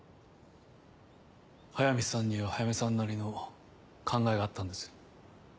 速水さんには速水さんなりの考えがあったんですよ。